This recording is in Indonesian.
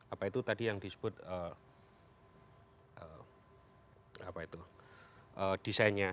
apa itu tadi yang disebut desainnya